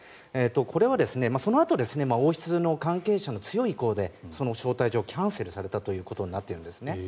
これは、そのあと王室の関係者の強い意向でその招待状、キャンセルされたということになっているんです。